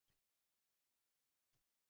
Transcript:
Bolam, qoʻshniga ozor bermagin.